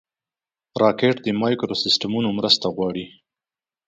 راکټ د مایکروسیسټمونو مرسته غواړي